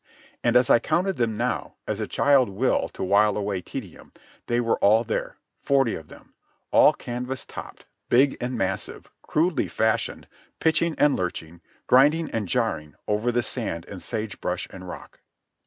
And as I counted them now, as a child will to while away tedium, they were all there, forty of them, all canvas topped, big and massive, crudely fashioned, pitching and lurching, grinding and jarring over sand and sage brush and rock.